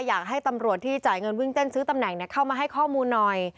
อยากให้ตำรวจที่จ่ายเงินวิ่งเต้นซื้อตำแหน่งเข้ามาให้ข้อมูลหน่อย